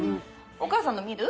お母さんの見る？